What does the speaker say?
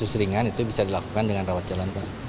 yang kasus ringan itu bisa dilakukan dengan rawat jalan